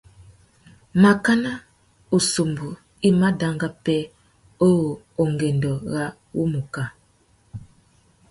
Makana « ussumbu i má danga pêh uwú ungüêndô râ wumuká ».